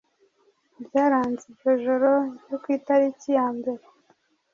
ibyaranze iryo joro ryo ku itariki ya mbere